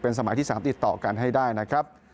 สมัยที่๓ติดต่อกันให้ได้นะครับ